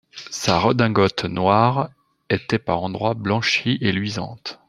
Sa redingote noire était par endroits blanchie et luisante.